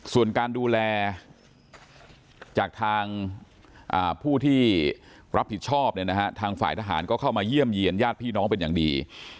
ส่วนการดูแลจากทางผู้ที่รับผิดชอบเนี่ยนะฮะทางฝ่ายทหารก็เข้ามาเยี่ยมเยี่ยนญาติพี่น้องเป็นอย่างดี